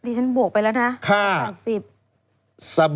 คุณนิวจดไว้หมื่นบาทต่อเดือนมีค่าเสี่ยงให้ด้วย